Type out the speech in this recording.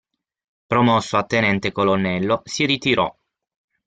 Promosso a tenente colonnello, si ritirò.